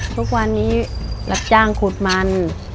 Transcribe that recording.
ทุกวันนี้รับจ้างขุดมัน